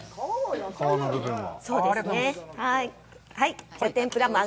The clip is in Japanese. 皮の部分は。